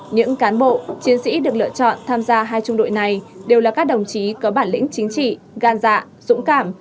những cán bộ chiến sĩ được lựa chọn tham gia hai trung đội này đều là các đồng chí có bản lĩnh chính trị gan dạ dũng cảm